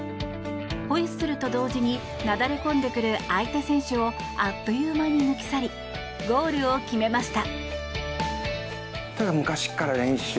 ホイッスルと同時になだれ込んでくる相手選手をあっという間に抜き去りゴールを決めました。